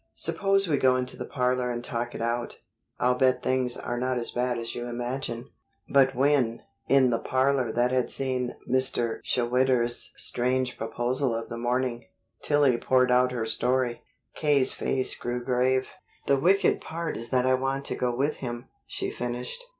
"Suppose we go into the parlor and talk it out. I'll bet things are not as bad as you imagine." But when, in the parlor that had seen Mr. Schwitter's strange proposal of the morning, Tillie poured out her story, K.'s face grew grave. "The wicked part is that I want to go with him," she finished.